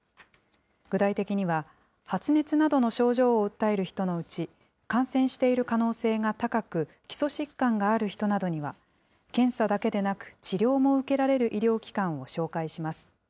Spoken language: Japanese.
具体的には、発熱などの症状を訴える人のうち、感染している可能性が高く、基礎疾患がある人などには、検査だけでなく、治療も受けられる医療機関を紹介します。